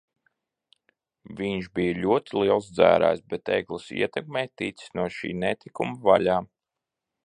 Viņš bija ļoti liels dzērājs, bet Egles ietekmē ticis no šī netikuma vaļā.